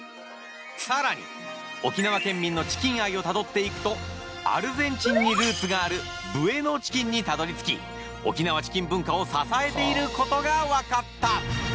さらに沖縄県民のチキン愛をたどっていくとアルゼンチンにルーツがあるブエノチキンにたどり着き沖縄チキン文化を支えていることが分かった。